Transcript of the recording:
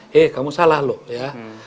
hei kamu salah loh ya